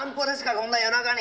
こんな夜中に！？